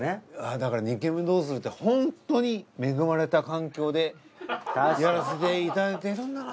だから「二軒目どうする？」ってホントに恵まれた環境でやらせていただいてるんだな。